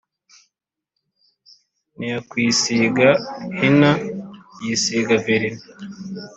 ntiyakwisiga hina, yisiga verini.